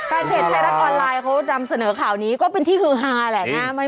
แฟนเพจไทยรัฐออนไลน์เขานำเสนอข่าวนี้ก็เป็นที่ฮือฮาแหละนะ